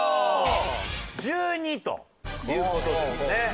１２という事ですね。